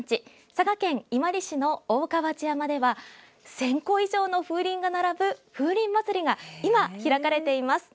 佐賀県伊万里市の大川内山では１０００個以上の風鈴が並ぶ風鈴まつりが今、開かれています。